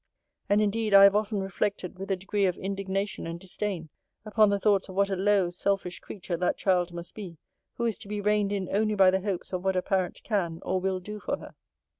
And indeed I have often reflected with a degree of indignation and disdain, upon the thoughts of what a low, selfish creature that child must be, who is to be reined in only by the hopes of what a parent can or will do for her.